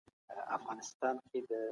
بې نظمي ذهن ګډوډوي.